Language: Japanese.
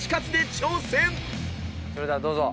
それではどうぞ。